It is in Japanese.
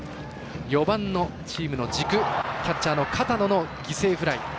４番のチームの軸キャッチャーの片野の犠牲フライ。